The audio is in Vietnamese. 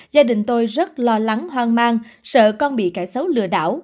gia đình tôi rất lo lắng hoang mang sợ con bị kẻ xấu lừa đảo